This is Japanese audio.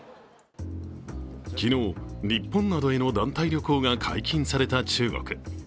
昨日、日本などへの団体旅行が解禁された中国。